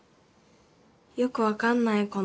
よく分かんないこの絵。